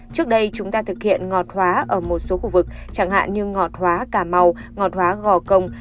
trước đây chúng ta thực hiện ngọt hóa ở một số khu vực chẳng hạn như ngọt hóa cà mau ngọt hóa gò công